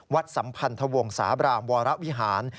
สัมพันธวงศาบรามวรวิหาร